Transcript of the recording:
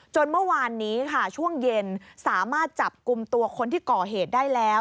เมื่อวานนี้ค่ะช่วงเย็นสามารถจับกลุ่มตัวคนที่ก่อเหตุได้แล้ว